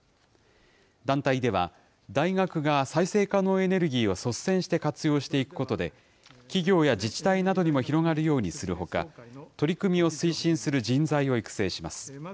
団体では、大学が再生可能エネルギーを率先して活用していくことで、企業や自治体などにも広がるようにするほか、取り組みを推進する人材を育成します。